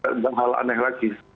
tidak ada hal aneh lagi